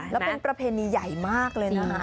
แล้วเป็นประเพณีใหญ่มากเลยนะคะ